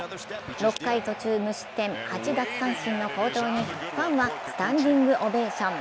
６回途中無失点、８奪三振の好投にファンはスタンディングオベーション。